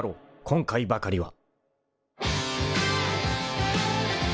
今回ばかりは］